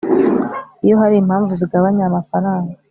Iyo hari impamvu zigabanya amafaranga